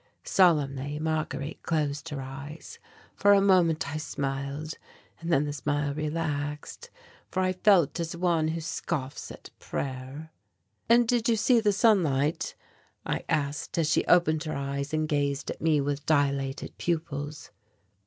Solemnly Marguerite closed her eyes. For a moment I smiled, and then the smile relaxed, for I felt as one who scoffs at prayer. "And did you see the sunlight?" I asked, as she opened her eyes and gazed at me with dilated pupils.